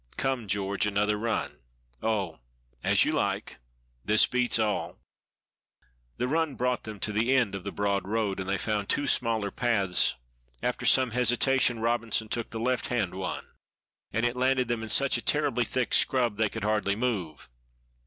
Come, George, another run." "Oh, as you like. This beats all." This run brought them to the end of the broad road, and they found two smaller paths; after some hesitation, Robinson took the left hand one, and it landed them in such a terribly thick scrub they could hardly move.